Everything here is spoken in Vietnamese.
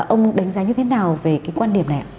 ông đánh giá như thế nào về quan điểm này